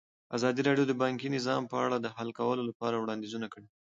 ازادي راډیو د بانکي نظام په اړه د حل کولو لپاره وړاندیزونه کړي.